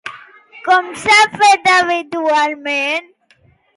Com s'ha fet habitualment?